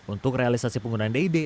untuk realisasi penggunaan dede